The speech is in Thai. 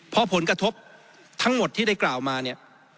เพราะผลกระทบทั้งหมดที่ได้กล่าวมาเนี่ย